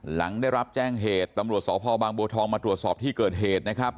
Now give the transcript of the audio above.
หลังได้รับแจ้งเหตุตำรวจสพบางบัวทองมาตรวจสอบที่เกิดเหตุนะครับ